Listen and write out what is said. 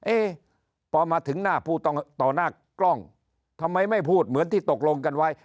เอ๊ะพอมาถึงหน้าผู้ต้องต่อหน้ากล้องทำไมไม่พูดเหมือนที่ตกลงกันไว้